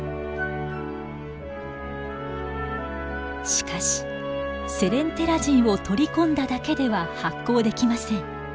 しかしセレンテラジンを取り込んだだけでは発光できません。